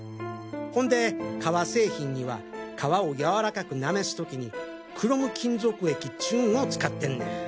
ほんで革製品には革をやわらかくなめす時にクロム金属液っちゅうんを使ってんねん！